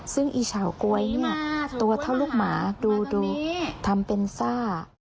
ซึ่งอีเฉาก๊วยเนี่ยตัวเท่าลูกหมาดูทำเป็นซ่า